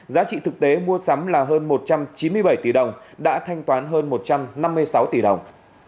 giá trị thực tế mua sắm là hơn một trăm chín mươi bảy tỷ đồng đã thanh toán hơn một trăm năm mươi sáu tỷ đồng